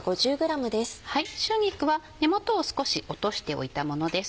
春菊は根元を少し落としておいたものです。